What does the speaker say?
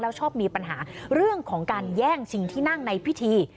ชอบมีปัญหาเรื่องของการแย่งสิ่งที่นั่งในพิธี